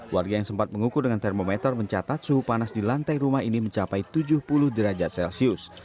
warga yang sempat mengukur dengan termometer mencatat suhu panas di lantai rumah ini mencapai tujuh puluh derajat celcius